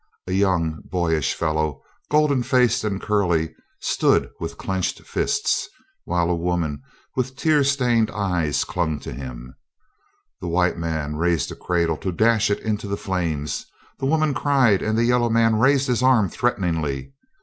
A young, boyish fellow, golden faced and curly, stood with clenched fists, while a woman with tear stained eyes clung to him. The white man raised a cradle to dash it into the flames; the woman cried, and the yellow man raised his arm threateningly.